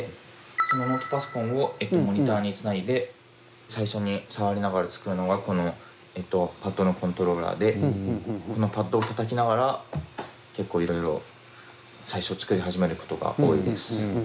そのノートパソコンをモニターにつないで最初に触りながら作るのがパッドのコントローラーでこのパッドをたたきながら結構いろいろ最初作り始めることが多いです。